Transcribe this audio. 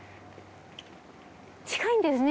近いんですね